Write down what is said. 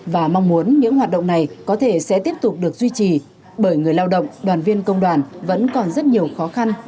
và mong muốn những hoạt động này có thể sẽ tiếp tục được duy trì bởi người lao động đoàn viên công đoàn vẫn còn rất nhiều khó khăn